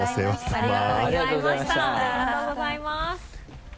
ありがとうございます。